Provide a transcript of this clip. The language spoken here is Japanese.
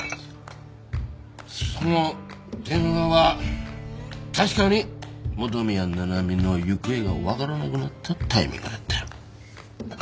その電話は確かに元宮七海の行方が分からなくなったタイミングだった。